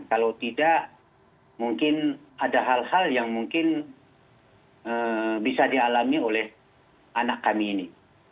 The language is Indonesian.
kalau tidak mungkin ada hal hal yang mungkin bisa dialami oleh anak kami ini